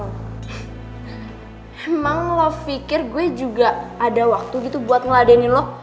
memang love pikir gue juga ada waktu gitu buat ngeladenin lo